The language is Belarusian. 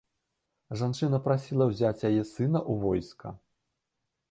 Жанчына прасіла ўзяць яе сына ў войска.